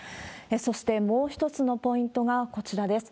そして、もう一つのポイントがこちらです。